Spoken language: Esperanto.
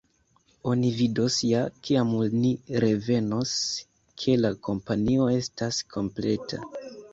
Oni vidos ja, kiam ni revenos, ke la kompanio estas kompleta.